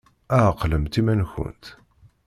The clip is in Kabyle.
Ɛqlemt iman-nkent!